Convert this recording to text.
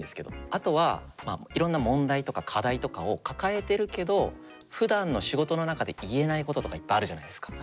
あとはまあいろんな問題とか課題とかを抱えてるけどふだんの仕事の中で言えないこととかいっぱいあるじゃないですか。